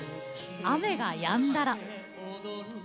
「雨が止んだら」。